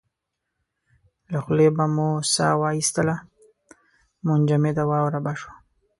له خولې به مو ساه واېستله منجمده واوره به شوه.